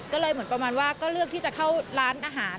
ก็เลยเหมือนประมาณว่าก็เลือกที่จะเข้าร้านอาหาร